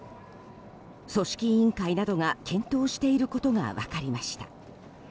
組織委員会などが検討していることが分かりました。